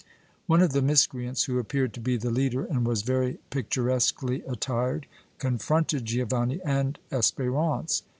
One of the miscreants, who appeared to be the leader and was very picturesquely attired, confronted Giovanni and Espérance.